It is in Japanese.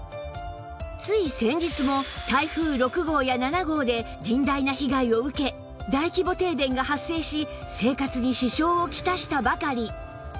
つい先日も台風６号や７号で甚大な被害を受け大規模停電が発生し生活に支障を来したばかり